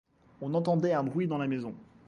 On entendait un bruit dans la maison.